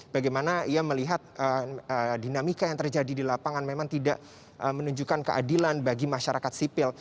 bagaimana ia melihat dinamika yang terjadi di lapangan memang tidak menunjukkan keadilan bagi masyarakat sipil